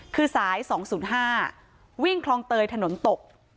คือสายสองศูนย์ห้าวิ่งคลองเตยถนนตก